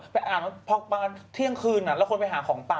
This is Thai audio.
ไปอาบแล้วเที่ยงคืนแล้วคนไปหาของป่า